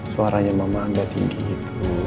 suaranya memang agak tinggi gitu